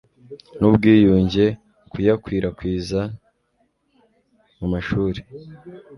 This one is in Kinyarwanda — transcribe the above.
n'ubwiyunge kuyakwirakwiza mu mashuri